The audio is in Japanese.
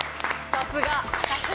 さすが。